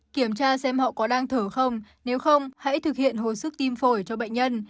kiểm tra xem họ có đang thở không nếu không hãy thực hiện hồi sức tim phổi cho bệnh nhân